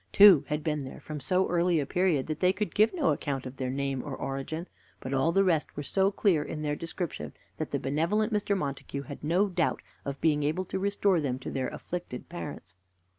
Two had been there from so early a period that they could give no account of their name or origin, but all the rest were so clear in their description that the benevolent Mr. Montague had no doubt of being able to restore them to their afflicted parents.